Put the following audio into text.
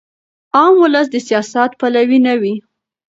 عام ولس د سیاست پلوی نه وي.